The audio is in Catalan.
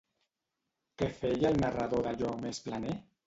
Què feia el narrador d'allò més planer?